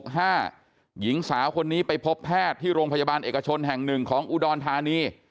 หญิงสาวคนนี้ไปพบแพทย์ที่โรงพยาบาลเอกชนแห่ง๑ของอุดรธานี